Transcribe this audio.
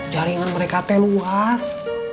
jaringan mereka teh luas